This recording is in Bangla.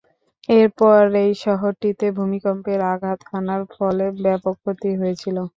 এরপরেই শহরটিতে ভূমিকম্পের আঘাত হানার ফলে ব্যাপক ক্ষতি হয়েছিল।